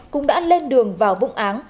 cũng đã lên đường vào vũng áng